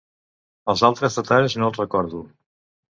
Els altres detalls no els recordo.